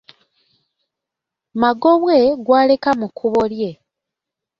Magobwe gwaleka mu kkubo lye.